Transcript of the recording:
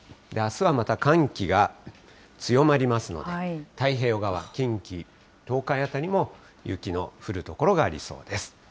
あすはまた寒気が強まりますので、太平洋側、近畿、東海辺りも雪の降る所がありそうです。